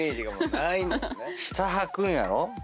下はくんやろ？